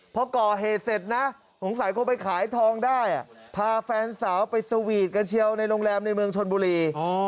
เพราะเหตุเตียงเก่าเขาขายทองได้ประกาศรับอาจพาแฟนสาวไปซาวีทกันเชียวในโรงแรมเมืองชนบุรี